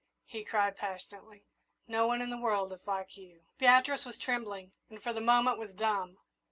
he cried, passionately; "no one in the world is like you!" Beatrice was trembling, and for the moment was dumb.